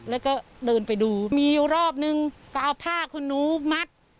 แล้วก็เดินไปดูมีรอบนึงก็เอาผ้าคุณหนูมัด